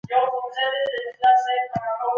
دا داسي ده، لکه دا چي يوازي ده.